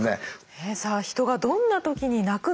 さあ人がどんな時に泣くのか。